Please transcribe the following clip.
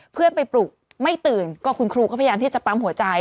เพื่อนไปปลุกไม่ตื่นก็คุณครูก็พยายามที่จะปั๊มหัวใจ